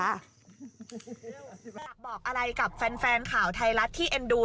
อยากบอกอะไรกับแฟนข่าวไทยรัฐที่เอ็นดู